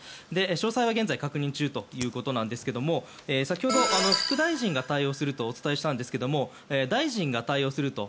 詳細は現在確認中ということなんですが先ほど副大臣が対応するとお伝えしたんですが大臣が対応すると。